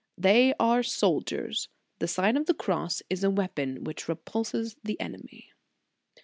THEY ARE SOLDIERS, THE SIGN OF THE CROSS IS A WEAPON WHICH REPULSES THE ENEMY.